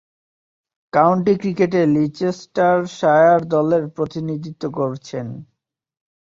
County ক্রিকেটে Leicestershire দলের প্রতিনিধিত্ব করছেন।